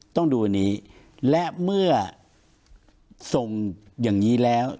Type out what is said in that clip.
ต้องดูอันนี้และเมื่อส่งอย่างนี้แล้ว